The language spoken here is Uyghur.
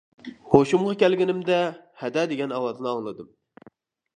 ھوشۇمغا كەلگىنىمدە «ھەدە» دېگەن ئاۋازنى ئاڭلىدىم.